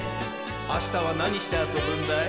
あしたはなにしてあそぶんだい？